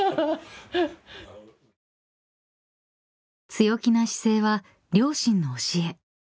［強気な姿勢は両親の教え］